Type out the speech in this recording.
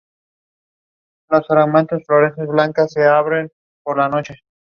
El puesto de mando se organizó en la estación de Greenwich Village.